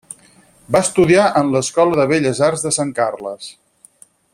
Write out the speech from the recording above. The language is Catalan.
Va estudiar en l'Escola de Belles Arts de Sant Carles.